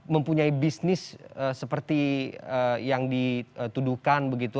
mempunyai bisnis seperti yang dituduhkan begitu